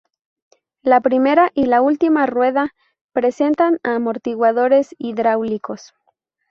La primera y la última rueda presentan amortiguadores hidráulicos.